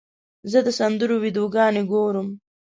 زه د سندرو ویډیوګانې ګورم.